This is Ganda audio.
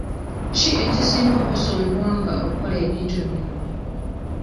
Ki ekisinga okkusumbuwa nga okola ebintu bino?